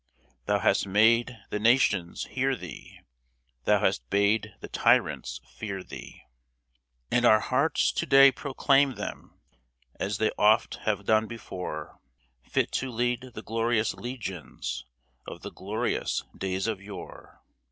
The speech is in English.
Thou hast made the Nations hear thee — Thou hast bade the Tyrants fear thee — PAST AND PRESENT III And our hearts to day proclaim thee, As they oft have done before, Fit to lead the glorious legions Of the glorious days of yore